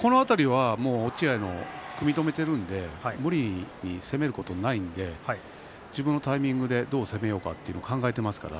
落合は組み止めているので無理に攻めることはないので自分のタイミングでどう攻めようかなということを考えています。